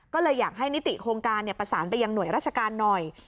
ก็เลยอยากให้นิติโครงการประสานไปยังหน่วยราชการหน่อย